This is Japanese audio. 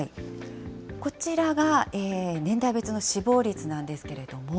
こちらが年代別の死亡率なんですけれども。